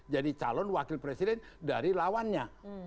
jadi calon wakil presiden dari lawannya